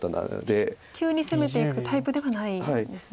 急に攻めていくタイプではないんですね。